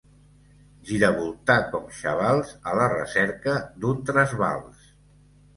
Giravoltar com xavals a la recerca d'un trasbals.